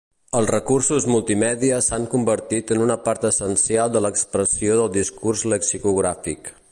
Els recursos multimèdia s'han convertit en una part essencial de l'expressió del discurs lexicogràfic.